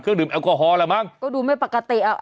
เครื่องดื่มแอลกอฮอล์ล่ะมั้งก็ดูไม่ปกติอ่ะ